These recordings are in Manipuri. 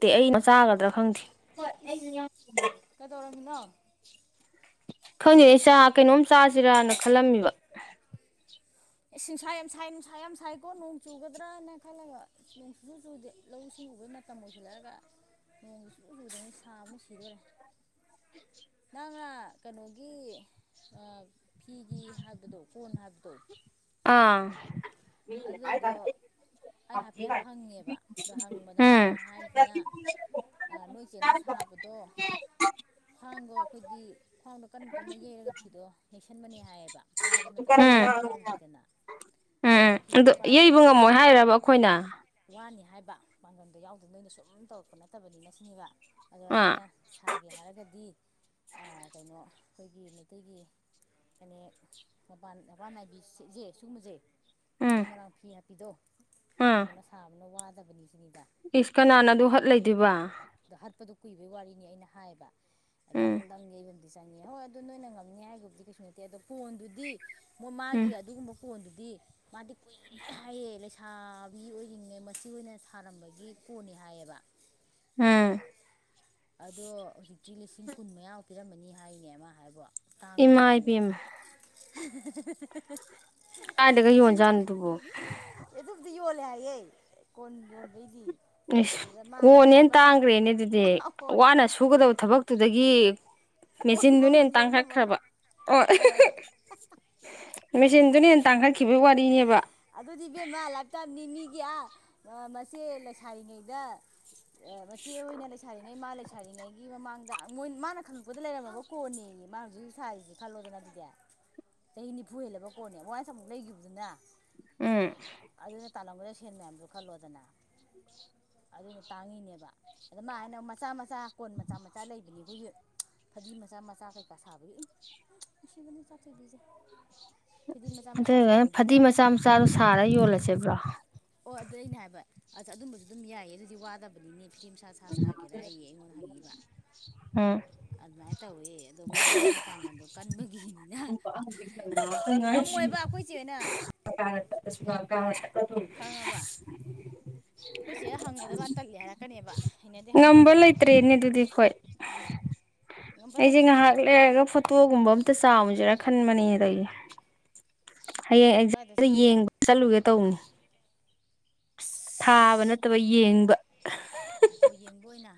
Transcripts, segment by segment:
ꯇꯦ ꯑꯩꯩꯅ ꯆꯥꯒꯗ꯭ꯔꯥ ꯈꯪꯗꯦ ꯍꯣꯏ ꯑꯩꯖꯨ ꯌꯥꯎꯅ [unintelligible] ꯍꯥ [unintelligible] ꯈꯪꯉꯦ ꯆꯥ ꯀꯩꯅꯣꯝ ꯆꯥꯖꯤꯔꯅ ꯈꯜꯂꯝꯃꯤꯕ ꯑꯦ ꯁꯤꯡꯁꯥ ꯌꯥꯝ ꯁꯥꯏ ꯅꯨꯡꯁꯥ ꯌꯥꯝ ꯁꯥꯏꯀꯣ ꯅꯣꯡ ꯆꯨꯒꯗ꯭ꯔꯥꯅ ꯈꯜꯂꯒ ꯅꯣꯡ ꯁꯨꯆꯨ ꯆꯨꯗꯦ ꯂꯧ ꯁꯤꯡ ꯁꯨꯕꯩ ꯃꯇꯝ ꯑꯣꯏꯁꯤꯜꯂꯛꯑꯒ ꯅꯣꯡꯖꯨ ꯆꯨꯗꯉꯩ ꯁꯥꯕꯅ ꯁꯤꯗꯣꯔꯦ ꯅꯪꯅꯥ ꯀꯩꯅꯣꯒꯤ ꯐꯤꯒꯤ ꯍꯥꯏꯕꯗꯣ ꯀꯣꯟ ꯍꯥꯏꯕꯗꯣ ꯑꯥ ꯑꯗꯨꯏꯗꯣ [unintelligible] ꯑꯩ ꯍꯥꯏꯐꯦꯠ ꯍꯪꯉꯦꯕ ꯑꯗꯣ ꯍꯪꯕꯗ ꯃꯥꯅ ꯎꯝ ꯍꯥꯏꯖꯤꯅ ꯑ ꯅꯣꯏ ꯆꯦꯅ ꯁꯥꯕꯗꯣ ꯈ꯭ꯋꯥꯡꯗꯣ ꯈꯣꯏꯒꯤ ꯈ꯭ꯋꯥꯡꯗꯣ ꯀꯟꯅ ꯀꯟꯅ ꯌꯩꯔꯒ ꯐꯤꯗꯣ ꯌꯩꯁꯤꯟꯕꯅꯦ ꯍꯥꯏꯌꯦꯕ ꯄꯥꯏꯕ ꯃꯇꯝꯗ ꯑ ꯄꯗꯥꯛ ꯄꯗꯥꯛ ꯂꯥꯎꯗꯦꯗꯅ ꯑꯝ ꯑꯗꯨꯗ ꯐꯤꯗꯣ ꯑꯗꯨ ꯄꯥꯏꯕꯗ ꯌꯩꯕ ꯄꯗꯥꯛ ꯉꯝꯃꯣꯏ ꯍꯥꯏꯔꯕ ꯑꯩꯈꯣꯏꯅ ꯕ ꯄꯥꯡꯒꯜꯗꯣ ꯌꯥꯎꯗꯦ ꯅꯣꯏꯅ ꯁꯨꯝ ꯇꯧꯔꯛꯄ ꯅꯠꯇꯕꯅꯤꯅ ꯁꯤꯅꯦꯕ ꯑꯗꯣ ꯑꯥ ꯅꯣꯏꯅ ꯁꯥꯒꯦ ꯍꯥꯏꯔꯒꯗꯤ ꯑꯥ ꯀꯩꯅꯣ ꯈꯣꯏꯒꯤ ꯃꯩꯇꯩꯒꯤ ꯐꯅꯦꯛ ꯃꯄꯥꯟ ꯃꯄꯥꯟꯅꯥꯏꯕꯤ ꯖꯦ ꯁꯤꯒꯨꯝꯕꯖꯦ ꯎꯝ [unintelligible] ꯃꯔꯣꯏꯥꯡ ꯐꯤ ꯍꯥꯞꯄꯤꯗꯣ ꯑꯥ ꯑꯗꯨꯒꯨꯝꯕꯅ ꯁꯥꯕꯅ ꯋꯥꯗꯕꯅꯤ ꯁꯤꯅꯤꯗ ꯏꯁ ꯑꯩꯅ ꯀꯅꯥꯅ ꯍꯥꯏꯁꯤꯅ ꯑꯗꯨ ꯍꯠ ꯂꯩꯗꯣꯏꯕꯥ ꯑꯗꯣ ꯍꯠꯄꯗꯣ ꯀꯨꯏꯕꯩ ꯋꯥꯔꯤꯅꯤ ꯑꯩꯅ ꯍꯥꯏꯌꯦꯕꯥ ꯗꯪ ꯎꯝ ꯗꯪ ꯌꯩꯕꯝ ꯆꯅꯤ ꯍꯣꯏ ꯑꯗꯨ ꯅꯣꯏꯅ ꯉꯝꯅꯤ ꯍꯥꯏꯒꯕꯨꯗꯤ ꯀꯩꯁꯨ ꯅꯠꯇꯦ ꯑꯗꯣ ꯐꯣꯟꯗꯨꯗꯤ ꯃꯣ ꯃꯥꯒꯤ ꯎꯝ ꯑꯗꯨꯒꯨꯝꯕ ꯐꯣꯟꯗꯨ ꯗꯤ ꯃꯥꯗꯤ ꯀꯨꯏꯔꯦ ꯍꯥꯏꯌꯦ ꯂꯩꯁ ꯁꯥꯕꯤ ꯑꯣꯏꯔꯤꯉꯩ ꯃꯆꯦ ꯍꯣꯏꯅ ꯁꯥꯔꯝꯕꯒꯤ ꯀꯣꯟꯅꯤ ꯍꯥꯏꯌꯦꯕ ꯑꯝ ꯑꯗꯣ ꯍꯧꯖꯤꯛꯇꯤ ꯂꯤꯁꯤꯡ ꯀꯨꯟ ꯃꯌꯥꯃꯨꯛ ꯄꯤꯔꯝꯃꯅꯤ ꯍꯥꯏꯅꯦ ꯑꯃ ꯍꯥꯏꯕꯣ ꯇꯥꯡꯕꯅꯤ ꯏꯃꯥꯏ ꯍꯥꯏꯅꯦ ꯄꯦꯝꯃ ꯀꯥꯏꯗꯒ [unintelligible] ꯂꯤꯁꯤꯡ ꯌꯣꯟꯖꯥꯠꯅꯣꯗꯨꯕꯣ ꯀꯨ ꯑꯗꯨꯕꯨ ꯌꯣꯂꯦꯍꯥꯏ ꯌꯦ ꯀꯣꯟ ꯌꯣꯟꯕꯩꯗꯤ ꯏꯁ ꯑꯗꯨꯗ ꯃꯥꯅ ꯍꯥꯏꯅꯤ ꯀꯣꯟ ꯀꯣꯟꯅꯦꯅ ꯃꯆꯥ ꯇꯥꯡꯈ꯭ꯔꯦꯅꯦ ꯑꯗꯨꯗꯤ [unintelligible] ꯋꯥꯅ ꯁꯨꯒꯗꯕ ꯊꯕꯛꯇꯨꯗꯒꯤ ꯀꯣꯟ ꯃꯦꯆꯤꯟꯗꯨꯅ ꯃꯃꯜ ꯍꯦꯟꯅ ꯌꯧ ꯉꯝꯃꯔꯣꯏ ꯇꯥꯡꯈꯠꯈ꯭ꯔꯕ ꯑꯣ ꯍꯣꯏ [unintelligible] ꯃꯦꯆꯤꯟꯗꯨꯅ ꯍꯦꯟꯅ ꯇꯥꯡꯈꯠꯈꯤꯕ ꯋꯥꯔꯤꯅꯦꯕ ꯑꯗꯨꯗꯤ ꯏꯕꯦꯝꯃ ꯂꯥꯢꯐꯇꯥꯢꯝꯅꯤ ꯃꯤꯒꯤ ꯑꯥ ꯑ ꯃꯆꯦ ꯂꯩꯁꯥꯔꯤꯉꯩꯗ ꯃꯆꯦ ꯍꯣꯏꯅ ꯂꯩꯁꯔꯤꯉꯩ ꯃꯥ ꯂꯩꯁꯔꯤꯉꯩꯒꯤ ꯃꯃꯥꯡꯗ ꯃꯣꯏ ꯃꯥꯅ ꯈꯪꯉꯛꯄꯗ ꯂꯩꯔꯝꯃꯕ ꯀꯣꯟꯅꯦ ꯃꯥ ꯍꯧꯖꯤꯛ ꯍꯧꯖꯤꯛ ꯁꯥꯏꯁꯦ ꯈꯜꯂꯣꯗꯅ ꯑꯗꯨꯗꯤ ꯆꯍꯤ ꯅꯤꯐꯨ ꯍꯦꯜꯂꯕ ꯀꯣꯟꯅꯦ ꯋꯥꯟꯁ ꯑꯃꯨꯛ ꯂꯩꯈꯤꯕꯗꯨꯅ ꯎꯝ ꯇꯥꯂꯣꯝꯒꯗꯕ ꯁꯦꯟ ꯃꯌꯥꯝꯖꯨ ꯈꯜꯂꯣꯗꯅ ꯑꯗꯨꯅ ꯇꯥꯡꯉꯤꯅꯦꯕ ꯑꯗꯨ ꯃꯍꯥꯏꯅ ꯃꯆꯥ ꯃꯆꯥ ꯀꯣꯟ ꯃꯆꯥ ꯃꯆꯥ ꯂꯩꯕꯅꯤ ꯑꯩꯈꯣꯏꯒꯤ ꯐꯗꯤ ꯃꯆꯥ ꯃꯆꯥ ꯀꯩꯀꯥ ꯁꯥꯕꯒꯤ ꯑꯝ ꯅꯨꯡꯁꯤꯕꯅꯤ ꯏꯆꯥ ꯊꯣꯏꯕꯤꯁꯦ ꯑꯗꯨꯑꯣꯏꯒꯅ ꯐꯗꯤ ꯃꯆꯥ ꯃꯆꯥꯗꯣ ꯁꯥꯔꯒ ꯌꯣꯜꯂꯁꯦꯕ꯭ꯔꯣ ꯑꯣ ꯑꯗꯨ ꯑꯩꯅ ꯍꯥꯏꯕ ꯑ ꯑꯗꯨꯝꯕꯁꯨ ꯑꯗꯨꯝ ꯌꯥꯏꯌꯦ ꯑꯗꯨꯗꯤ ꯋꯥꯗꯕꯅꯤꯅꯦ ꯥꯁꯥ ꯁꯥ ꯁꯥꯒꯦꯔꯥꯌꯦ ꯑꯩꯉꯣꯟꯗ ꯍꯪꯉꯤꯕ ꯎꯝ ꯑꯗꯨꯃꯥꯏꯅ ꯇꯧꯋꯦ ꯑꯗꯣ ꯃꯣꯏꯗꯤ ꯃꯄꯥꯡꯒꯜꯗꯣ ꯀꯟꯕꯒꯤꯅꯤꯅ ꯉꯝꯃꯣꯏꯕ ꯑꯩꯈꯣꯏ ꯆꯦꯍꯣꯏꯅ [unintelligible] ꯈꯪꯉꯕ ꯑꯩꯈꯣꯏ ꯆꯦꯗ ꯍꯪꯕꯗ ꯃ ꯇꯜꯂꯦ ꯍꯥꯏꯔꯛꯀꯅꯦꯕ ꯍꯩꯅꯗꯦ ꯍꯥꯏꯔꯛꯀꯅꯦꯕ ꯉꯪꯝꯕꯂꯩꯇꯔꯦꯅꯦ ꯑꯗꯨꯗꯤ ꯑꯩꯈꯣꯏ ꯉꯝꯕ ꯑꯩꯁꯦ ꯂꯩꯇ꯭ꯔꯦ ꯉꯩꯍꯥꯛ ꯂꯩꯔꯒ ꯐꯣꯇꯣꯒꯨꯝꯕ ꯑꯝꯇ ꯆꯥꯎꯃꯨꯁꯤꯔ ꯈꯟꯕꯅꯤꯅꯦ ꯇꯧꯋꯤꯁꯦ ꯍꯌꯦꯡ ꯀꯥꯏꯗ ꯑꯦꯛꯖꯥꯝꯗꯣ ꯆꯠꯂꯤꯕ ꯌꯦꯡꯕ ꯆꯠꯂꯨꯒꯦ ꯇꯧꯅꯤ ꯊꯥꯕ ꯅꯠꯇꯕ ꯌꯦꯡꯕ ꯑꯣ ꯌꯦꯡꯕ ꯑꯣꯏꯅ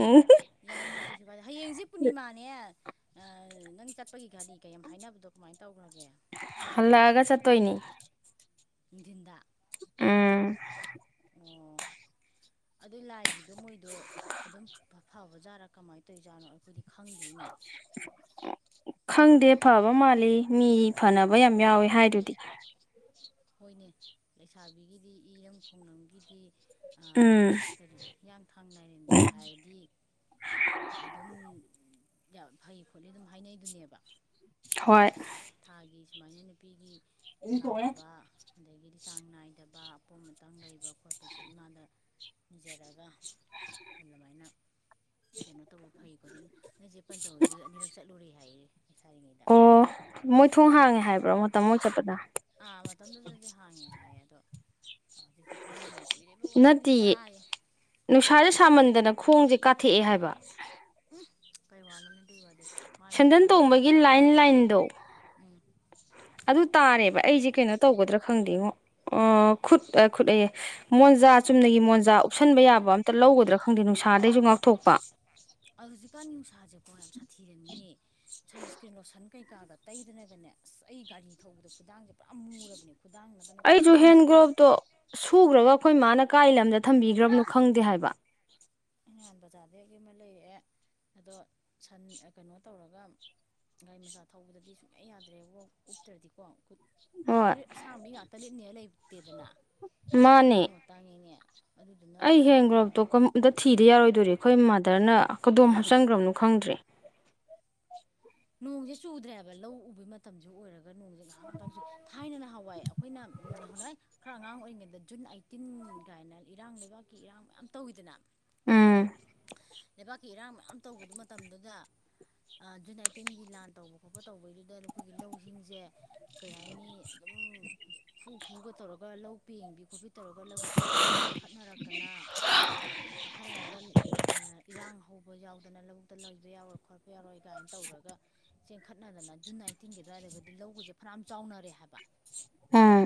ꯎꯝ ꯌꯥꯏꯅꯦ ꯀꯩꯁꯨ ꯀꯥꯏꯗꯦ ꯍꯌꯦꯡꯁꯦ ꯄꯨꯔꯅꯤꯃꯥꯅꯦ ꯑ ꯅꯪ ꯆꯠꯄꯒꯤ ꯒꯥꯔꯤ ꯀꯥ ꯌꯥꯝ ꯍꯥꯏꯅꯕꯗꯣ ꯀꯃꯥꯏꯅ ꯇꯧꯈ꯭ꯔꯒꯦ ꯍꯜꯂꯑꯒꯥ ꯆꯠ ꯇꯣꯏꯅꯤ ꯅꯨꯡꯊꯤꯟꯗ ꯎꯝ ꯑꯣ ꯑꯗꯨ ꯂꯥꯏꯒꯤꯗꯣ ꯃꯣꯏꯗꯣ ꯑꯗꯨꯝ ꯐꯕ ꯥꯆꯠꯂ ꯀꯃꯥꯏꯅ ꯇꯧꯔꯤꯆꯠꯅꯣ ꯈꯪꯗꯦ ꯐꯕ ꯃꯥꯜꯂꯤ ꯃꯤ ꯐꯅꯕ ꯌꯥꯝ ꯌꯥꯎꯋꯦ ꯍꯥꯏꯗꯨꯗꯤ ꯍꯣꯏꯅꯦ ꯂꯩꯁꯥꯕꯤꯒꯤꯗꯤ ꯏꯔꯪ ꯐꯣꯡꯡꯂꯝꯒꯤꯗꯤ ꯎꯝ ꯀꯔꯤ ꯍꯤꯌꯥꯡꯊꯥꯡ ꯔꯦꯝꯕꯤ ꯍꯥꯏꯔꯗꯤ ꯑꯗꯨꯝ ꯌꯥꯝ ꯐꯩ ꯈꯣꯠꯂꯤ ꯑꯗꯨꯝ ꯍꯥꯏꯅꯩꯗꯨꯅꯦꯕ ꯍꯣꯏ ꯊꯥꯒꯤ ꯁꯨꯃꯥꯏꯅ ꯅꯨꯄꯤꯒꯤ ꯂꯥꯛꯇꯕ [unintelligible] ꯑꯗꯒꯤꯗꯤ ꯆꯥꯡ ꯅꯥꯏꯗꯕ ꯑꯄꯣꯝ ꯑꯇꯪ ꯂꯩꯕ ꯈꯣꯠꯄꯁꯦ ꯏꯃꯥꯗ ꯅꯤꯖꯔꯒ ꯑꯗꯨꯃꯥꯏꯅ ꯀꯩꯅꯣ ꯇꯧꯕ ꯐꯩꯈꯣꯠꯂꯦ ꯅꯣꯏ ꯆꯦ ꯄꯟꯆ ꯍꯣꯏꯁꯨ ꯑꯅꯤꯔꯛ ꯆꯠꯂꯨꯔꯦ ꯍꯥꯏꯌꯦ ꯂꯩꯁꯥꯔꯤꯉꯩꯗ ꯑꯣ ꯃꯣꯏ ꯊꯣꯡ ꯃꯣꯏꯁꯨ ꯍꯥꯡꯉꯦ ꯍꯥꯏꯕ꯭ꯔꯣ ꯃꯇꯝꯃꯨ ꯃꯣꯏ ꯆꯠꯄꯗ ꯑꯥ ꯃꯇꯝꯗꯨꯗꯗꯤ ꯍꯥꯡꯉꯦ ꯍꯥꯏꯌꯦ ꯑꯗꯣ ꯍꯧꯖꯤꯛꯇꯤ ꯈꯪꯗꯦ ꯀꯨꯏꯔꯕ ꯅꯠꯇꯦꯌꯦ ꯋꯥꯅꯤꯗꯌꯦ ꯅꯨꯡꯁꯥꯁꯦ ꯁꯥꯃꯟꯗꯅ ꯈꯣꯡꯁꯦ ꯀꯥꯊꯦꯛꯑꯦ ꯍꯥꯏꯕ ꯀꯩ ꯋꯥꯔꯅꯣꯅꯦ ꯑꯗꯨꯏ ꯋꯥꯗꯤ ꯃꯥꯏ ꯃꯤꯠꯀ ꯁꯦꯟꯗꯟ ꯇꯣꯡꯕꯒꯤ ꯂꯣꯏꯔꯕꯅꯦ ꯂꯥꯏꯟ ꯂꯥꯏꯟꯗꯣ ꯎꯝ ꯑꯗꯨ ꯇꯥꯔꯦꯕ ꯑꯩꯁꯦ ꯀꯩꯅꯣ ꯇꯧꯒꯗ꯭ꯔꯥ ꯈꯪꯗꯦꯉꯣ ꯑꯣ ꯈꯨꯠ ꯑ ꯈꯨꯠ ꯑꯩꯌꯦ ꯃꯣꯟꯖꯥ ꯆꯨꯝꯅꯒꯤ ꯃꯣꯟꯖꯥ ꯀꯨꯞꯁꯟꯕ ꯌꯥꯕ ꯑꯝꯇ ꯂꯧꯒꯗ꯭ꯔꯥ ꯈꯪꯗꯦ ꯅꯨꯡꯁꯥꯗꯒꯤꯁꯨ ꯉꯥꯛꯊꯣꯛꯄ ꯍꯧꯖꯤꯛꯀꯥꯟ ꯅꯨꯡꯁꯥꯁꯦꯀꯣ ꯌꯥꯝ ꯁꯥꯊꯤꯔꯝꯅꯤꯅꯦ ꯁꯟꯁꯀ꯭ꯔꯤꯟ ꯂꯣꯁꯟ ꯀꯩꯀꯥꯒ ꯇꯩꯗꯅꯒꯅꯦ ꯑꯁ ꯑꯩ ꯒꯥꯔꯤ ꯊꯧꯕꯗ ꯈꯨꯗꯥꯡꯁꯦ ꯄꯨꯔꯥ ꯃꯨꯔꯕꯅꯦꯕ ꯑꯩꯁꯨ ꯍꯦꯟ ꯒ꯭ꯂꯣꯞꯇꯣ ꯁꯨꯈ꯭ꯔꯒ ꯑꯩꯈꯣꯏ ꯃꯥꯅ ꯀꯥꯏ ꯂꯝꯗ ꯊꯝꯕꯤꯈ꯭ꯔꯕꯅꯣ ꯈꯪꯗꯦ ꯍꯥꯏꯕ ꯑꯩ ꯅꯍꯥꯟ ꯕꯖꯥꯔꯗꯒꯤ ꯑꯃ ꯂꯩꯔꯛꯑꯦ ꯑꯗꯣ ꯁꯟ ꯑꯥ ꯀꯩꯅꯣ ꯇꯧꯔꯒ ꯒꯥꯔꯤ ꯃꯆꯥ ꯊꯧꯕꯗꯗꯤ ꯁꯨꯡꯌꯥ ꯌꯥꯗ꯭ꯔꯦꯕꯣ ꯎꯞꯇ꯭ꯔꯗꯤꯀꯣ ꯍꯣꯏ ꯐꯨꯔꯤꯠ ꯑꯁꯥꯡꯕꯤ ꯉꯥꯛꯇ ꯂꯤꯠꯅꯤ ꯍꯥꯢ ꯂꯩꯇꯦꯗꯅ ꯃꯥꯅꯦ ꯃꯇꯥꯡ ꯃꯇꯥꯡꯒꯤꯅꯤ ꯑꯩ ꯍꯦꯟ ꯒ꯭ꯂꯣꯞꯇꯣ ꯀꯝ ꯑꯝꯇ ꯊꯤꯗ ꯌꯥꯔꯣꯏ ꯑꯗꯨꯗꯤ ꯑꯩꯈꯣꯏ ꯃꯥꯗꯔꯅ ꯀꯗꯣꯝ ꯍꯥꯞꯆꯟꯈ꯭ꯔꯕꯅꯣ ꯈꯪꯗ꯭ꯔꯦ ꯅꯣꯡꯁꯦ ꯆꯨꯗ꯭ꯔꯦ ꯍꯥꯢꯕ ꯂꯧ ꯎꯕꯒꯤ ꯃꯇꯝꯁꯨ ꯑꯣꯏꯔꯒ ꯅꯣꯡꯖꯦ ꯉꯥꯏꯍꯥ ꯉꯥꯏꯍꯥꯛꯇꯪ ꯆꯨꯢ ꯊꯥꯏꯅ ꯅꯍꯥꯋꯥꯏ ꯑꯩꯈꯣꯏꯅ ꯎꯝ ꯅꯍꯥꯟꯋꯥꯢ ꯈꯔ ꯑꯉꯥꯡ ꯑꯣꯏ ꯗ ꯖꯨꯟ ꯑꯥꯏꯠꯇꯤꯟ ꯀꯥꯏꯅ ꯏꯔꯥꯡ ꯂꯩꯕꯥꯛꯀꯤ ꯏꯔꯥꯡ ꯃꯌꯥꯝ ꯇꯧꯋꯤꯗꯅ ꯎꯝ ꯂꯩꯕꯥꯛꯀꯤ ꯏꯔꯥꯡ ꯃꯌꯥꯝ ꯇꯧꯕ ꯃꯇꯝꯗꯨꯗ ꯑꯥ ꯖꯨꯟ ꯑꯥꯏꯠ ꯇꯤꯟꯒꯤ ꯂꯥꯟ ꯇꯧꯕ ꯈꯣꯠꯄ ꯇꯧꯕꯩꯗꯨꯗ ꯑꯈꯣꯏꯒꯤ ꯂꯧꯁꯤꯡꯁꯦ ꯀꯩ ꯍꯥꯏꯅꯤ ꯑꯗꯨꯝ ꯈꯨ ꯈꯨꯒ ꯇꯧꯔꯒ ꯂꯧ ꯄꯦꯡꯕꯤ ꯈꯣꯠꯄꯤ ꯈꯣꯠ ꯇꯧꯔꯒ ꯂꯧꯕꯨꯛꯇꯒꯤꯒ ꯀꯥꯈꯠꯅꯔꯛꯇꯅ ꯀꯥꯈꯠꯅꯔꯒ ꯂ ꯑꯥ ꯑꯥ ꯏꯔꯥꯡ ꯍꯧꯕ ꯌꯥꯎꯗꯅ ꯂꯧꯕꯨꯛꯇ ꯂꯩꯕ ꯌꯥꯔꯣꯏ ꯈꯣꯠꯄ ꯌꯥꯔꯣꯏ ꯀꯥꯏꯅ ꯇꯧꯔꯒ ꯆꯦꯟꯈꯠꯅꯗꯅ ꯖꯨꯟ ꯑꯥꯏꯠꯇꯤꯟꯒꯤ ꯑꯗꯨꯋꯥꯏꯗꯒꯗꯤ ꯂꯧꯒꯁꯦ ꯐꯅ꯭ꯌꯥꯝ ꯆꯥꯎꯅꯔꯦ ꯍꯥꯏꯕ ꯑꯥ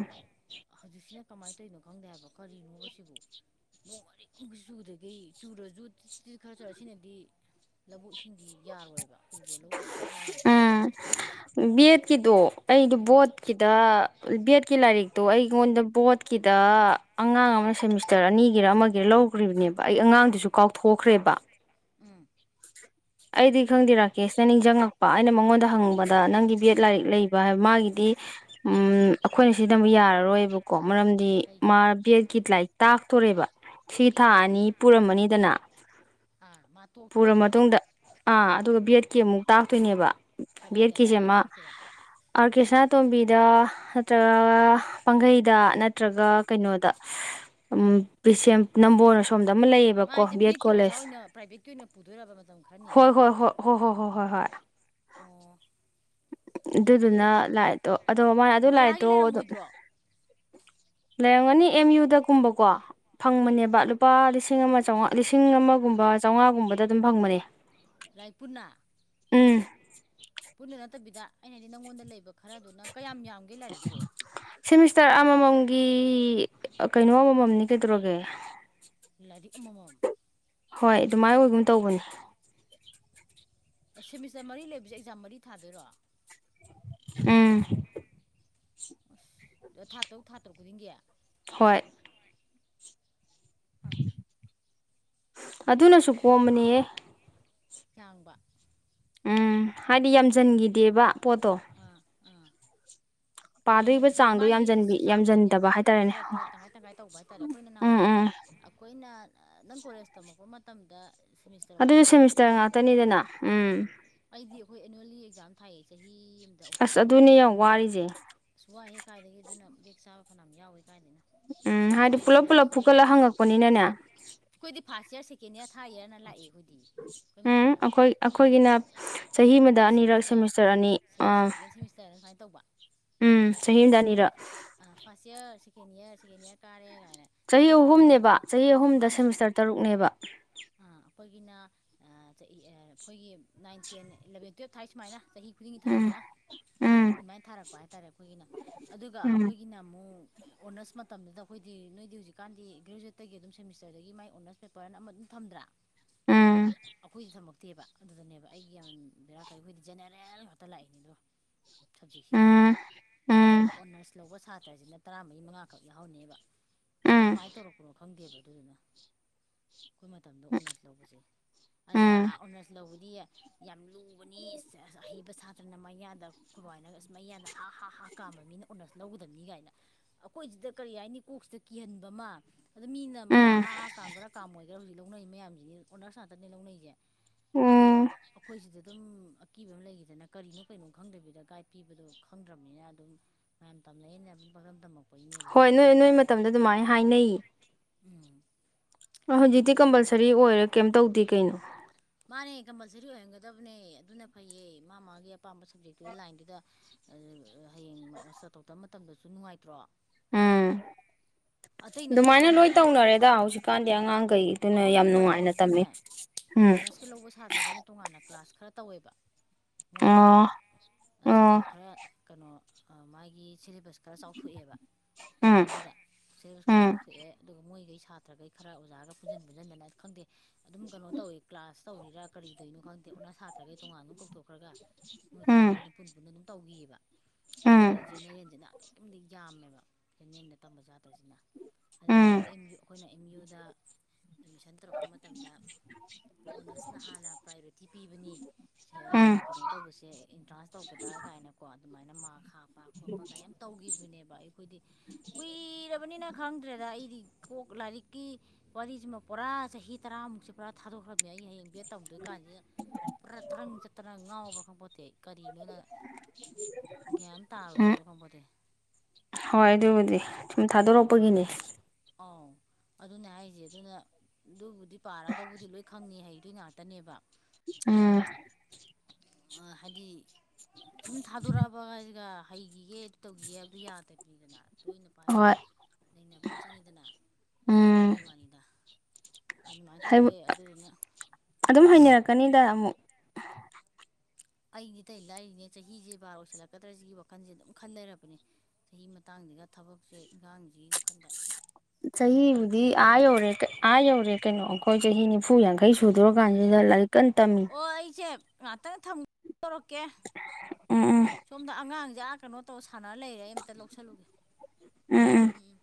ꯍꯧꯖꯤꯛꯁꯤꯅ ꯀꯃꯥꯏ ꯇꯧꯔꯤꯅꯣ ꯈꯪꯗꯦ ꯍꯥꯏꯕ ꯀꯔꯤꯅꯣꯕ ꯁꯤꯕꯨ ꯅꯣꯡꯃꯔꯤꯛ ꯑꯝꯐꯥꯎ ꯆꯨꯗꯈꯩ ꯆꯨꯔꯁꯨ ꯇꯤ ꯇꯤ ꯇꯤ ꯈꯥꯔ ꯆꯨꯔ ꯁꯤꯅꯗꯤ ꯂꯧꯕꯨꯛ ꯏꯁꯤꯡꯗꯤ ꯌꯥꯔꯣꯏꯕ ꯎꯕ ꯂꯧ ꯎꯕ ꯁꯨꯡꯌꯥ ꯌꯥꯔꯣꯏꯕ ꯁꯤꯗꯤ ꯕꯤꯑꯦꯠꯀꯤꯗꯣ ꯑꯩꯗꯣ ꯎꯝ ꯚꯣꯠꯀꯤꯗ ꯕꯤ ꯑꯦꯠ ꯀꯤ ꯂꯥꯏꯔꯤꯛꯇꯣ ꯑꯩꯉꯣꯟꯗ ꯚꯣꯠꯀꯤꯗ ꯑꯉꯥꯡ ꯑꯃꯅ ꯁꯦꯃꯤꯁꯇ꯭ꯔ ꯑꯅꯤꯒꯤꯔ ꯑꯃꯒꯤꯔ ꯂꯧꯈ꯭ꯔꯤꯕꯅꯤ ꯅꯦꯕ ꯑꯩ ꯑꯉꯥꯡꯗꯨꯁꯨ ꯀꯥꯎꯊꯣꯛꯈ꯭ꯔꯦꯕ ꯎꯝ [inaudible] ꯑꯩꯗꯤ ꯈꯪꯗꯦ ꯔꯥꯀꯦꯁꯅ ꯅꯤꯡꯁꯪꯉꯛꯄ ꯑꯩꯅ ꯃꯉꯣꯟꯗ ꯍꯪꯕꯗ ꯅꯪꯒꯤ ꯕꯤ ꯑꯦꯠ ꯂꯥꯏꯔꯤꯛ ꯂꯩꯕ ꯍꯥꯏꯕ ꯃꯥꯒꯤꯗꯤ ꯎꯝ ꯑꯈꯣꯏꯅ ꯁꯤꯟꯅꯕ ꯌꯥꯔꯔꯣꯏꯕꯀꯣ ꯃꯔꯝꯗꯤ ꯃꯥ ꯀꯩꯒꯤ ꯕꯤ ꯑꯦꯠꯀꯤ ꯂꯥꯏꯔꯤꯛ ꯇꯥꯛꯇꯣꯔꯦꯕ ꯁꯤ ꯊꯥ ꯑꯅꯤ ꯄꯨꯔꯝꯃꯅꯤꯗꯅ ꯑꯥ ꯃꯥ ꯄꯨꯔ ꯇꯣꯛꯊꯣꯛꯑꯗ꯭ꯔꯣ ꯃꯇꯨꯡꯗ ꯑꯥ ꯑꯗꯨꯒ ꯕꯤ ꯑꯦꯠꯀꯤ ꯑꯃꯨꯛ ꯇꯥꯛꯇꯣꯏꯅꯦꯕ ꯕꯤ ꯀꯗꯥꯏꯗ ꯑꯦꯠꯀꯤꯁꯦ ꯀꯗꯥꯏꯗ ꯃꯥ ꯇꯥꯛꯇꯣꯏꯕ ꯑꯥꯔ ꯀꯦ ꯁꯅꯥꯇꯣꯝꯕꯤꯗ ꯅꯠꯇ꯭ꯔꯒ ꯄꯥꯡꯒꯩꯗ ꯅꯠꯇ꯭ꯔꯒ ꯀꯩꯅꯣꯗ ꯁ ꯎꯝ ꯕꯤꯁꯦꯝ ꯅꯝꯕꯣꯜ ꯑꯁꯣꯝ ꯗ ꯑꯃ ꯃꯥ ꯂꯩꯌꯦꯕꯀꯣ ꯍꯥꯏꯁꯦ ꯕꯦꯠ ꯕꯦꯠꯀꯤ ꯑꯣꯖꯥ ꯀꯣꯜꯂꯦꯖ ꯑꯣꯏꯅ ꯄ꯭ꯔꯥꯏꯚꯦꯠꯀꯤ ꯑꯣꯏꯅ ꯄꯨꯗꯣꯏꯔꯕ ꯃꯇꯝ ꯈꯥꯔꯅꯤ ꯍꯣ ꯍꯣ ꯍꯣ ꯍꯣꯏ ꯍꯣꯏ ꯑꯣ ꯑꯗꯨꯗꯨꯅ ꯑꯗꯨꯗꯤ ꯂꯥꯏꯛꯇꯣ ꯑꯗꯣ ꯃꯥꯅ ꯑꯗꯨ ꯕꯂꯥꯒꯤ ꯂꯥꯏꯛꯇꯣ ꯑꯗꯨ ꯂꯩꯔꯝꯃꯣꯏꯗ꯭ꯔꯣ [inaudible] ꯂꯩꯔꯝꯒꯅꯤ ꯑꯦꯝ ꯌꯨꯗ ꯀꯨꯝꯕꯀꯣ ꯐꯪꯕꯅꯦꯕ ꯂꯨꯄꯥ ꯂꯤꯁꯤꯡ ꯑꯃ ꯆꯧꯉꯥ ꯂꯤꯁꯤꯡ ꯑꯃꯒꯨꯝꯕ ꯆꯧꯉꯥꯒꯨꯝꯕꯗ ꯑꯗꯨꯝ ꯐꯪꯕꯅꯦ ꯂꯥꯏꯔꯤꯛ ꯄꯨꯨꯟꯅ ꯎꯝ ꯄꯨꯟꯅ ꯅꯠꯇꯕꯤꯗ ꯑꯩꯅ ꯍꯥꯏꯗꯤ ꯅꯪꯉꯣꯟꯗ ꯂꯩꯕ ꯈꯔꯗꯨꯅ ꯀꯌꯥꯝ ꯌꯥꯝꯒꯦ ꯂꯥꯏꯔꯤꯛꯄꯣ ꯁꯦꯃꯤꯁꯇ꯭ꯔ ꯑꯃꯃꯝꯒꯤ ꯑꯥ ꯀꯩꯅꯣ ꯑꯃꯃꯝꯅꯤ ꯀꯩꯗꯧꯔꯒꯦ ꯂꯥꯏꯔꯤꯛ ꯑꯃꯃꯝ ꯍꯣꯏ ꯗꯨꯃꯥꯏꯅ ꯑꯣꯏꯒꯨꯝ ꯇꯧꯕꯅꯤ ꯁꯦꯃꯤꯁꯇ꯭ꯔ ꯃꯔꯤ ꯂꯩꯕꯁꯦ ꯑꯦꯛꯖꯥꯝ ꯃꯔꯤ ꯊꯥꯗꯣꯏꯔꯣ ꯎꯝ ꯑꯁ ꯊꯥ ꯇꯔꯨꯛ ꯊꯥ ꯇꯔꯨꯛ ꯈꯨꯗꯤꯡꯒꯤ ꯍꯣꯏ ꯑꯥ ꯑꯗꯨꯅꯁꯨ ꯀꯣꯝꯕꯅꯤꯍꯦ ꯌꯥꯥꯡꯕ ꯎꯝ ꯍꯥꯏꯗꯤ ꯌꯥꯝꯁꯤꯟꯈꯤꯗꯦꯕ ꯄꯣꯠꯇꯣ ꯑꯥ ꯑꯥ ꯍꯣꯏꯅꯦ ꯄꯥꯗꯣꯔꯤꯕ ꯆꯥꯡꯗꯣ ꯃꯥꯒꯤ ꯌꯥꯝꯖꯟꯕꯤ ꯆꯥꯡꯗꯣ ꯌꯥꯝꯖꯟꯗꯕ ꯍꯥꯏꯇꯥꯔꯦꯅꯦ ꯈꯥꯔ ꯈꯥꯔ ꯇꯪꯈꯥꯏ ꯇꯪꯈꯥꯏ ꯇꯧꯕ ꯍꯥꯏꯇꯥꯔꯦ ꯑꯈꯣꯏꯅ ꯎꯝ ꯅꯍꯥꯟꯋꯥꯏ ꯎꯝ ꯑꯈꯣꯏꯅ ꯅꯪ ꯀꯣꯜꯂꯦꯖ ꯇꯝꯃꯛꯄ ꯃꯠ ꯃꯇꯝꯗ ꯁꯦꯃꯤꯁꯇꯔ ꯑꯗꯨꯁꯨ ꯋꯥꯏꯁꯇ ꯁꯦꯃꯤꯁꯇꯔ ꯆꯟꯕ꯭ꯔꯥ ꯉꯥꯛꯇꯅꯤꯗꯅ ꯎꯝ ꯑꯩꯗꯤ ꯑꯈꯣꯏ ꯑꯦꯅꯨꯋꯦꯜꯂꯤ ꯑꯦꯛꯖꯥꯝ ꯊꯥꯏꯌꯦ ꯆꯍꯤ ꯑꯃꯗ ꯑꯁ ꯆꯍꯤ ꯑꯗꯨꯅꯦ ꯌꯥꯝ ꯑꯍꯨꯝ ꯑꯍꯨꯝ ꯋꯥꯔꯤꯁꯦ ꯑꯁ ꯋꯥꯏꯍꯦ ꯀꯥꯏꯗꯒꯤ ꯑꯗꯨꯅ ꯕꯦꯛ ꯆꯥꯕ ꯐꯅꯌꯥꯝ ꯌꯥꯎꯏ ꯎꯝ ꯍꯥꯏꯗꯤ ꯄꯨꯂꯞ ꯄꯨꯂꯞ ꯐꯨꯀꯠꯂꯒ ꯍꯪꯉꯛꯄꯅꯤꯅꯅꯦ ꯀꯣꯏꯗꯤ ꯐꯔꯁ ꯏꯔ ꯁꯀꯦꯟ ꯏꯔ ꯎꯝ ꯑꯩꯈꯣꯏ ꯑꯩꯈꯣꯏꯒꯤꯅ ꯆꯍꯤ ꯑꯃꯗ ꯑꯅꯤꯔꯛ ꯁꯦꯃꯤꯁꯇꯔ ꯑꯅꯤ ꯑꯥ ꯁꯦꯀꯦꯟ ꯁꯦꯃꯤꯁꯇꯔꯅ ꯁꯨꯃꯥꯏꯅ ꯇꯧꯕ ꯎꯝ ꯆꯍꯤ ꯑꯃꯗ ꯑꯩꯈꯣꯏꯅ ꯑꯅꯤꯔꯛ ꯐꯥꯔꯁ ꯌꯥꯔ ꯁꯦꯀꯦꯟ ꯏꯌꯥꯔ ꯁꯦꯀꯦꯟ ꯏꯌꯥꯔ ꯀꯥꯔꯦ ꯀꯥꯏꯅ ꯆꯍꯤ ꯊꯥꯔꯠ ꯏꯌꯥꯔꯅꯦꯅ ꯑꯍꯨꯝꯅꯦꯕ ꯇꯧ ꯆꯍꯤ ꯑꯍꯨꯝꯗ ꯃꯥꯅꯦ ꯁꯦꯃꯤꯁꯇꯔ ꯇꯔꯨꯛꯅꯦꯕ ꯑꯥ ꯑꯩꯈꯣꯏꯒꯤꯅ ꯑꯩꯈꯣꯏꯒꯤ ꯅꯥꯏꯟ ꯇꯦꯟ ꯑꯦꯂꯕꯦꯟ ꯇꯨꯌꯦꯜꯞ ꯊꯥꯏ ꯁꯨꯃꯥꯏꯅ ꯆꯍꯤ ꯈꯨꯗꯤꯡꯒꯤ ꯎꯝ ꯊꯥꯏꯗꯅ ꯎꯝ ꯑꯗꯨꯃꯥꯏꯅ ꯊꯥꯔꯛꯄ ꯍꯥꯏꯇꯥꯔꯦ ꯑꯩꯈꯣꯏꯒꯤꯅ ꯑꯗꯨꯒ ꯎꯝ ꯑꯩꯈꯣꯏꯒꯤꯅ ꯑꯃꯨꯛ ꯑꯣꯅꯔꯁ ꯃꯇꯝꯗꯨꯗ ꯑꯩꯈꯣꯏꯗꯤ ꯅꯣꯏꯗꯤ ꯍꯧꯖꯤꯛꯀꯥꯟꯗꯤ ꯒ꯭ꯔꯦꯖꯨꯋꯦꯠꯇꯒꯤ ꯑꯗꯨꯝ ꯁꯦꯃꯤꯁꯇꯔꯗꯒꯤ ꯃꯥꯏ ꯑꯣꯅꯔꯁ ꯄꯦꯄꯔꯅ ꯑꯃ ꯑꯗꯨꯝ ꯊꯝ ꯐꯝꯗ꯭ꯔꯥ ꯎꯝ ꯑꯩꯈꯣꯏꯗꯤ ꯊꯝꯃꯛꯇꯦꯕ ꯑꯗꯨꯗꯅꯦꯕ ꯑꯩꯒꯤ ꯌꯥꯝ ꯕꯦꯔ ꯀꯥꯢ ꯑꯈꯣꯏꯗꯤ ꯖꯅꯔꯦꯜ ꯈꯠꯇ ꯂꯥꯛꯑꯅꯤꯗꯨ ꯁꯕꯖꯦꯛꯁꯤꯗ ꯎꯝ ꯎꯝ ꯑꯗꯨꯒ ꯑꯣꯅꯔꯁ ꯂꯧꯕ ꯁꯥꯇ꯭ꯔꯁꯤꯅ ꯇꯔꯥꯃꯔꯤ ꯃꯉꯥꯈꯛ ꯌꯥꯎꯍꯟꯅꯦꯕ ꯎꯝ ꯀꯔꯝꯍꯥꯏꯅ ꯇꯧꯔꯛꯄꯅꯣ ꯈꯪꯗꯦꯕ ꯑꯗꯨꯗꯨꯅ ꯑꯩꯈꯣꯏ ꯃꯇꯝꯗ ꯑꯣꯅꯔꯁ ꯂꯧꯕꯁꯦ ꯑꯗꯨꯗ ꯎꯝ ꯑꯣꯅꯔꯁ ꯂꯧꯕꯗꯤ ꯌꯥꯝ ꯂꯨ ꯅꯤ ꯑꯍꯩꯕ ꯁꯥꯗꯅ ꯃꯌꯥꯗ ꯀꯃꯅ ꯃꯌꯥꯗ ꯍꯥ ꯍꯥ ꯀꯥꯝꯕ ꯃꯤꯅ ꯑꯣꯅꯔꯂꯧꯕ ꯕꯅꯤ ꯀꯥꯏꯅ ꯑꯩꯈꯣꯏꯁꯤꯗ ꯀꯔꯤ ꯍꯥꯏꯅꯤ ꯀꯣꯛꯁꯤꯗ ꯀꯤꯍꯟꯕ ꯑꯃ ꯑꯗꯨꯗ ꯃꯤꯅ ꯃꯌꯥꯝ ꯎꯝ ꯍꯥ ꯍꯥ ꯀꯥꯝꯈꯔꯥꯝ ꯑꯣꯏꯒꯦꯔ ꯍꯧꯖꯤꯛ ꯂꯧꯅꯩ ꯃꯌꯥꯝꯁꯤꯗꯤ ꯑꯣꯗꯔꯁ ꯉꯥꯛꯇꯅꯦ ꯂꯧꯅꯩꯁꯦ ꯑꯗꯣ ꯎꯝ ꯑꯩꯈꯣꯏꯁꯤꯗ ꯑꯗꯨꯝ ꯑꯀꯤꯕ ꯑꯃ ꯂꯩꯈꯤꯗꯅ ꯀꯔꯤꯅꯣ ꯀꯩꯅꯣ ꯈꯪꯗꯕꯤꯗ ꯒꯥꯏꯗ ꯄꯤꯕꯗꯣ ꯈꯪꯗ꯭ꯔꯕꯅꯤꯅ ꯑꯗꯨꯝ ꯃꯌꯥꯝ ꯇꯝꯅꯌꯦꯅ ꯄꯔꯗꯝ ꯍꯣꯏ ꯅꯣꯏ ꯅꯣꯏ ꯃꯇꯝꯗ ꯑꯗꯨꯃꯥꯏꯅ ꯍꯥꯏꯅꯩꯌꯦ ꯎꯝ ꯍꯧꯖꯤꯛꯇꯤ ꯑꯣꯅꯔꯁ ꯄꯦꯄꯔꯗ ꯀꯝꯄꯜꯁꯔꯤ ꯑꯣꯏꯔꯦ ꯀꯦꯝ ꯇꯧꯗꯦ ꯀꯩꯅꯣ ꯃꯥꯅꯦ ꯀꯝꯄꯜꯁꯔꯤ ꯑꯣꯏꯍꯟꯒꯗꯕꯅꯦ ꯑꯗꯨꯅ ꯐꯩꯌꯦ ꯃꯥ ꯃꯥꯒꯤ ꯑꯄꯥꯝꯕ ꯁꯕꯖꯦꯛꯇꯨꯒꯤ ꯂꯥꯏꯟꯗꯨꯗ ꯍꯌꯦꯡ ꯆꯊꯣꯛ ꯇꯕ ꯃꯇꯝꯗꯁꯨ ꯅꯨꯡꯉꯥꯏꯇ꯭ꯔꯣ ꯎꯝ ꯑꯇꯩ ꯅꯠꯇꯦꯕ ꯑꯗꯨꯃꯥꯏꯅ ꯂꯣꯏ ꯑꯣꯅꯔꯁꯀꯤ ꯇꯧꯅꯔꯦꯗ ꯍꯧꯖꯤꯛꯀꯥꯟꯗꯤ ꯑꯥ ꯑꯉꯥꯡꯈꯩꯗꯨꯅ ꯌꯥꯝ ꯑꯩꯈꯣꯏꯒꯤ ꯅꯨꯡꯉꯥꯏꯅ ꯃꯇꯝꯗꯨꯗꯅꯦ ꯇꯝꯅꯩ ꯑꯣꯅꯔꯁꯀꯤ ꯂꯧꯕ ꯁꯥꯇ꯭ꯔꯒꯩꯅ ꯇꯣꯉꯥꯟꯅ ꯀ꯭ꯂꯥꯁ ꯈꯔ ꯇꯧꯋꯦꯕ ꯃꯣꯏꯒꯤ ꯑꯣ ꯇꯣꯉꯥꯟꯅ ꯑꯣ ꯁꯕꯖꯦꯛ ꯈꯔ ꯀꯩꯅꯣ ꯃꯥꯒꯤ ꯁꯤꯂꯦꯕꯁ ꯈꯔ ꯆꯥꯎꯊꯣꯛꯑꯦꯕ ꯎꯝ ꯃꯇꯝꯗꯨꯗ ꯁꯤꯂꯦꯕꯁ ꯈꯔ ꯎꯝ ꯆꯥꯎꯊꯣꯛꯑꯦ ꯑꯗꯨꯒ ꯃꯣꯏꯈꯩ ꯁꯥꯇ꯭ꯔꯈꯩ ꯈꯔ ꯑꯣꯖꯥꯒ ꯄꯨꯟꯁꯤꯟ ꯄꯨꯟꯁꯤꯟꯗꯅ ꯈꯪꯗꯦ ꯑꯗꯨꯝ ꯀꯩꯅꯣ ꯇꯧꯋꯤ ꯑꯥꯁ ꯇꯧꯔꯤꯔꯥ ꯀꯔꯤꯗꯣꯏꯅꯣ ꯈꯪꯗꯦ ꯑꯣꯟꯅ ꯁꯥꯇ꯭ꯔꯩ ꯇꯣꯉꯥꯟ ꯑꯗꯨꯝ ꯀꯧꯊꯣꯛꯈ꯭ꯔꯒ ꯃꯣꯏ ꯈꯔ ꯎꯝ ꯑꯃ ꯑꯗꯨꯝ ꯄꯨ ꯄꯨꯟꯅ ꯑꯗꯨꯝ ꯇꯧꯈꯤꯑꯕ ꯑꯗꯣ ꯎꯝ ꯑꯩꯈꯣꯏ ꯖꯦꯅꯦꯔꯦꯜꯁꯤꯅ ꯑꯗꯨꯝ ꯑꯗꯨꯛꯀꯤ ꯃꯇꯤꯛ ꯌꯥꯝꯃꯦꯕ ꯐꯅꯦꯟꯗ ꯇꯝꯕ ꯆꯥꯇ꯭ꯔꯁꯤꯅ ꯑꯗ ꯎꯝ ꯍꯌꯦꯡ ꯑꯩꯈꯣꯏꯅ ꯑꯦꯝ ꯌꯨꯗ ꯑꯦꯠꯃꯤꯁꯟ ꯇꯧꯔꯛꯄ ꯃꯇꯝꯗ ꯑꯣꯅꯔꯁꯅ ꯍꯥꯟꯅ ꯄ꯭ꯔꯥꯏꯌꯣꯔꯤꯇꯤ ꯄꯤꯕꯅꯤ ꯎꯝ ꯀꯩꯅꯣ ꯇꯧꯕꯁꯦ ꯑꯦꯟꯇ꯭ꯔꯥꯟꯁ ꯇꯧꯕꯗ ꯀꯥꯏꯅ ꯑꯗꯨꯃꯥꯏꯅ ꯃꯥ ꯍꯥꯞ ꯆꯠꯄ ꯈꯣꯠꯄꯒ ꯌꯥꯝ ꯇꯧꯒꯤꯈꯤꯕꯅꯦꯕ ꯑꯩꯈꯣꯏꯗꯤ ꯀꯨꯏꯔꯕꯅꯤꯅ ꯈꯪꯗ꯭ꯔꯦꯗ ꯑꯩꯗꯤ ꯀꯣꯛ ꯂꯥꯏꯔꯤꯛꯀꯤ ꯋꯥꯔꯤꯁꯤꯃ ꯄꯨꯔꯥ ꯆꯍꯤ ꯇꯔꯥꯃꯨꯛꯁꯦ ꯄꯨꯔꯥ ꯊꯥꯗꯣꯛꯈ꯭ꯔꯕꯅꯤ ꯑꯩ ꯍꯌꯦꯡ ꯕꯌꯦꯠ ꯇꯧꯗꯣꯏ ꯀꯥꯟꯁꯦ ꯄꯨꯔꯥ ꯇ꯭ꯔꯪ ꯆꯠꯇꯅ ꯉꯥꯎꯕ꯭ꯔꯥ ꯈꯪꯕꯄꯣꯠꯇꯦ ꯀꯔꯤꯅꯣꯅ ꯒ꯭ꯌꯥꯟ ꯎꯝ ꯇꯥꯔꯣꯏꯗꯣꯏꯕ ꯈꯪꯄꯣꯟꯇꯦ ꯍꯣꯏ ꯑꯗꯨꯕꯨꯗꯤ ꯁꯨꯝ ꯊꯥꯗꯣꯔꯛꯄꯒꯤꯅꯦ ꯑꯧ ꯑꯗꯨꯅꯦ ꯍꯥꯏꯁꯦ ꯑꯗꯨꯅ ꯑꯗꯨꯕꯨꯗꯤ ꯄꯥꯔꯒꯕꯨꯗꯤ ꯂꯣꯏ ꯈꯪꯅꯤ ꯍꯌꯦ ꯑꯗꯨ ꯉꯥꯛꯇꯅꯦꯕ ꯑꯗꯣ ꯑꯥ ꯍꯥꯏꯗꯤ ꯁꯨꯝ ꯊꯥꯗꯣꯔꯛꯑꯕ ꯍꯥꯏꯁꯤꯒ [unintelligible] ꯑꯗꯨ ꯇꯧꯈꯤꯒꯦ ꯍꯥꯏꯕꯗꯨ ꯌꯥꯗꯕꯅꯤꯗꯅ ꯇꯣꯏꯅ ꯄꯥꯏꯕ ꯑꯃ ꯍꯣꯏ ꯅꯩꯅꯕꯃ ꯆꯪꯉꯤꯗꯅ ꯑꯗꯨꯒꯤ ꯋꯥꯅꯤꯗ ꯑꯗꯨꯃꯥꯏꯅ ꯍꯥꯏꯕ ꯇꯧꯋꯦ ꯑꯗꯨꯗꯨꯅ ꯑꯗꯨꯝ ꯍꯥꯏꯩꯅꯔꯛꯀꯅꯤꯗ ꯑꯃꯨꯛ ꯑꯩꯗꯤ ꯑꯇꯩ ꯂꯥꯏꯔꯤꯅꯦ ꯆꯍꯤꯁꯦ ꯕꯥꯔ ꯑꯣꯏꯁꯤꯜꯂꯛꯀꯗ꯭ꯔ ꯁꯤꯒꯤ ꯋꯥꯈꯜꯁꯦ ꯗꯨꯝ ꯈꯜ ꯂꯩꯔꯕꯅꯦ ꯆꯍꯤ ꯃꯇꯥꯡ ꯁꯤꯒ ꯊꯕꯛꯁꯦ ꯏꯟꯈꯥꯡꯁꯤꯒꯤ ꯋꯥꯈꯜꯗ ꯆꯍꯤꯕꯨꯗꯤ ꯇꯝꯁꯤꯜꯍꯧꯕꯕꯨꯗꯤ ꯑꯥ ꯀꯥꯟꯅꯩ ꯌꯧꯔꯦ ꯑꯥ ꯌꯧꯔꯦ ꯀꯩꯅꯣ ꯑꯈꯣꯏ ꯆꯍꯤ ꯅꯤꯐꯨ ꯌꯥꯡ ꯈꯩ ꯁꯨꯗ꯭ꯔꯣ ꯀꯥꯟꯁꯤꯗ ꯂꯥꯏꯔꯤꯛ ꯀꯟꯅ ꯇꯝꯃꯤ ꯉꯍꯥꯛꯇꯪ ꯊꯝꯃ ꯇꯧꯔꯛꯀꯦ ꯎꯝ ꯎꯝ ꯁꯣꯝꯗ ꯑꯉꯥꯡꯁꯦ ꯀꯩꯅꯣ ꯇꯧ ꯁ ꯁꯥꯟꯅꯅ ꯂꯩꯔꯦ ꯑꯩ ꯑꯃꯝꯇ ꯂꯧꯁꯜꯂꯨꯒꯦ ꯎꯝ